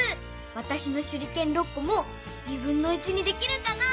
わたしのしゅりけん６こもにできるかな？